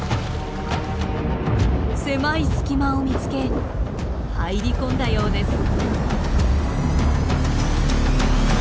狭い隙間を見つけ入り込んだようです。